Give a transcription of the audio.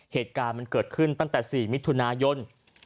เหตุการณ์มันเกิดขึ้นตั้งแต่๔มิถุนายน